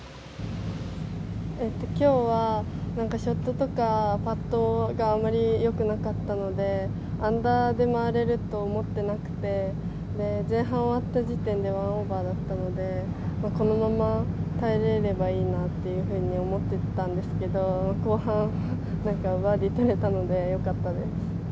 今日はショットとかパットとかがあまりよくなかったのでアンダーで回れると思っていなくて前半終わった時点で１オーバーだったのでこのまま耐えられればいいなと思っていたんですけど後半、なんかバーディーが取れたのでよかったです。